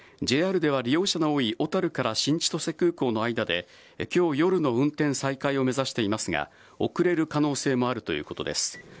ＪＲでは利用者の多い小樽から新千歳空港の間で、きょう夜の運転再開を目指していますが、遅れる可能性もあるということです。